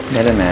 udah deh nak